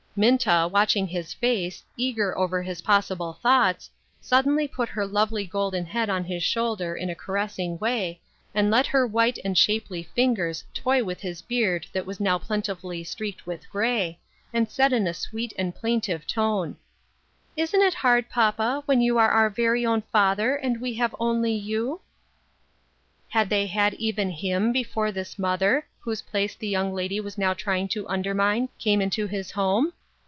Minta, watching his face, eager over his possible thoughts, suddenly put her lovely golden head on his shoulder in a caressing way, and let her white and shapely fingers toy with the beard that was now plentifully streaked with gray, and said in a sweet and plaintive tone, —" Isn't it hard, papa, when you are our very own father and we have only you ?" Had they had even him before this mother, whose place the young lady was now trying to undermine, came into his home